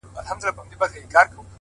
خداى پاماني كومه؛